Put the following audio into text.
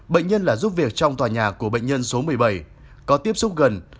bệnh nhân là giúp việc trong tòa nhà của bệnh nhân số một mươi bảy có tiếp xúc gần